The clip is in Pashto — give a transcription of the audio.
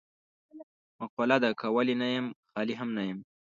مقوله ده: که ولي نه یم خالي هم نه یم.